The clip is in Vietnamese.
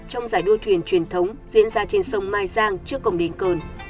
trong giải đua thuyền truyền thống diễn ra trên sông mai giang trước cổng đền cờn